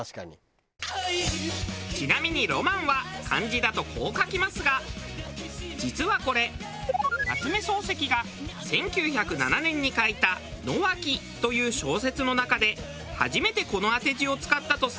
ちなみに「ロマン」は漢字だと「浪漫」と書きますが実はこれ夏目漱石が１９０７年に書いた『野分』という小説の中で初めてこの当て字を使ったとされているそうです。